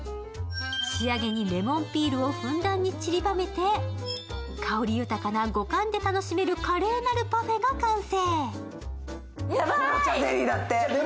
仕上げにレモンピールをふんだんに散りばめて香り豊かな五感で楽しめる華麗なるパフェが完成。